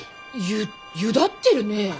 ゆゆだってるねえ。